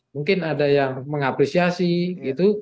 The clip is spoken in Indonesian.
mungkin ada yang mengapresiasi gitu